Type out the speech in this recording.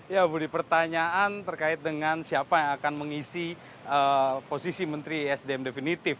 ya budi pertanyaan terkait dengan siapa yang akan mengisi posisi menteri sdm definitif